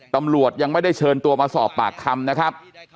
ตำรวจยังไม่ได้เชิญตัวมาสอบปากคำนะครับ